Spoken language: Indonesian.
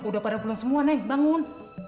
udah pada bulan semua nih bangun